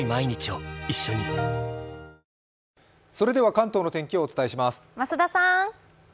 関東のお天気をお伝えします。